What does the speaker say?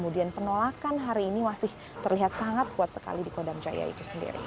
dan penolakan hari ini masih terlihat sangat kuat sekali di kodam jaya itu sendiri